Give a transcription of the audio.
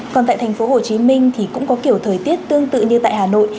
còn tại thành phố hồ chí minh thì cũng có kiểu thời tiết tương tự như tại hà nội